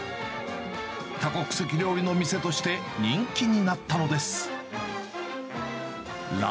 多国籍料理の店として人気になったのです。